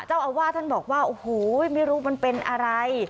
เจ้าอาวาสท่านบอกว่าโอ้โหไม่รู้มันเป็นอะไร